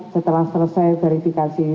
setelah selesai verifikasi